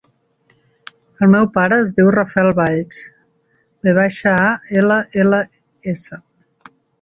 El meu pare es diu Rafael Valls: ve baixa, a, ela, ela, essa.